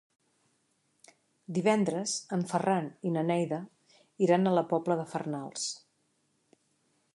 Divendres en Ferran i na Neida iran a la Pobla de Farnals.